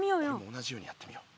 同じようにやってみよう。